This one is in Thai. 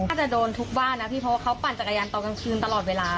อาจจะโดนทุกบ้านนะพี่เพราะว่าเขาปั่นจักรยานตอนกลางคืนตลอดเวลา